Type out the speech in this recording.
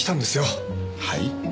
はい？